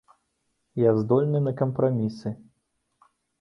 Я здольны на кампрамісы.